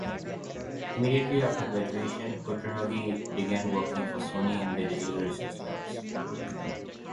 Immediately after graduation, Kutaragi began working for Sony in their digital research labs.